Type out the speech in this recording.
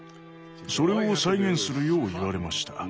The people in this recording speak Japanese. それを再現するよう言われました。